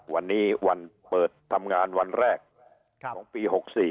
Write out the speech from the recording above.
วันนี้วันเปิดทำงานวันแรกของปี๖๔